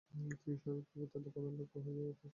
তিনি স্বাভাবিকভাবেই তাদের প্রধান লক্ষ্য হয়ে উঠতেন।